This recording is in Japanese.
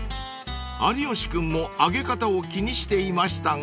［有吉君も揚げ方を気にしていましたが］